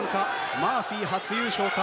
マーフィー、初優勝か。